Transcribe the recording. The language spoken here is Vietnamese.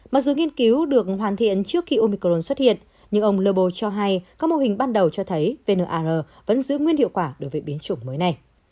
mặc dù nghiên cứu được hoàn thiện trước khi omicron xuất hiện nhưng ông lobo cho hay các mô hình ban đầu cho thấy vnr vẫn giữ nguyên hiệu quả đối với biến chủng mới này